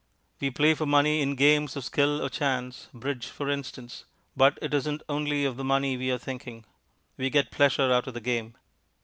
We play for money in games of skill or chance bridge, for instance. But it isn't only of the money we are thinking. We get pleasure out of the game.